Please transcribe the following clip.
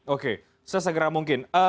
oke sesegera mungkin